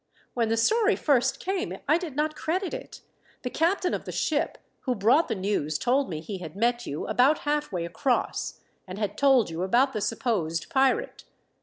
When the story first came I did not credit it. The captain of the ship who brought the news told me he had met you about halfway across, and had told you about the supposed pirate.